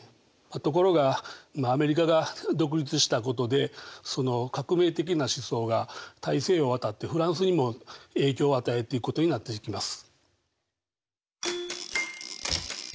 ところがアメリカが独立したことでその革命的な思想が大西洋を渡ってフランスにも影響を与えていくことになっていきます。